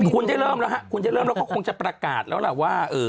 คุณได้เริ่มแล้วฮะคุณได้เริ่มแล้วก็คงจะประกาศแล้วล่ะว่า